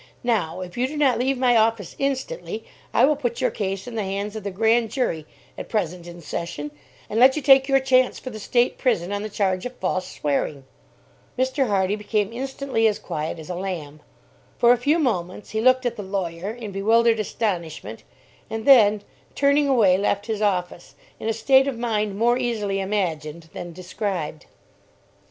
Now, if you do not leave my office instantly, I will put your case in the hands of the Grand Jury, at present in session, and let you take your chance for the State prison on the charge of false swearing!" Mr. Hardy became instantly as quiet as a lamb. For a few moments, he looked at the lawyer in bewildered astonishment, and then, turning away, left his office, in a state of mind more easily imagined than described.